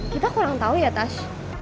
kita kurang tahu ya tas